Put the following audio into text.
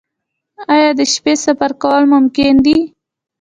آیا د شپې سفر کول ممکن دي؟